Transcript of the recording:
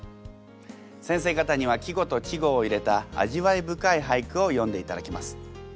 先生方には季語と稚語を入れた味わい深い俳句を詠んでいただきます。